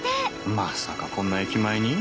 まさかこんな駅前に？